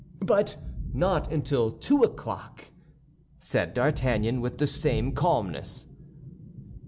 "But not until two o'clock," said D'Artagnan, with the same calmness.